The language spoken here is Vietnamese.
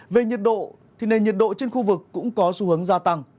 về nhiệt độ thì nền nhiệt độ trên khu vực cũng có xu hướng gia tăng